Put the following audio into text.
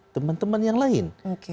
teman teman yang lain